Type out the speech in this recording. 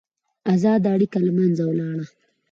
ازاده اړیکه له منځه ولاړه.